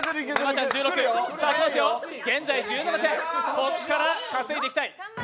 ここから稼いでいきたい。